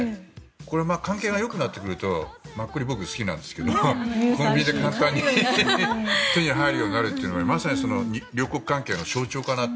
これ、関係がよくなってくるとマッコリ、僕好きなんですけど簡単に手に入るようになるというのはまさに両国関係の象徴かなと。